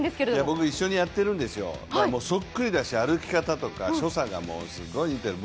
僕一緒にやってるんですよ、そっくりだし、歩き方とか所作がすごい似ている。